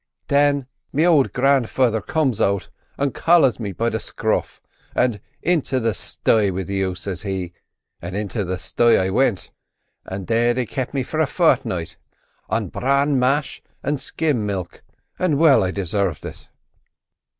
"Thin me ould grandfather comes out, and collars me by the scruff, and 'Into the sty with you!' says he; and into the sty I wint, and there they kep' me for a fortni't on bran mash and skim milk—and well I desarved it."